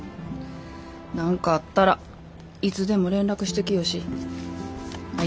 何かあったらいつでも連絡してきよし。